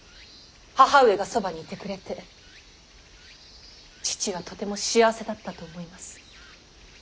義母上がそばにいてくれて父はとても幸せだったと思います。